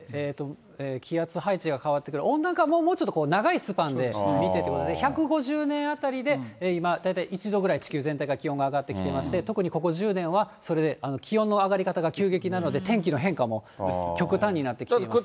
気圧配置が変わってくる、温暖化は長いスパンで見ていて、１５０年当たりで今、大体１度くらい地球全体が気温が上がってきていまして、特にここ１０年は、それで気温の上がり方が急激なので、天気の変化も極端になってきています。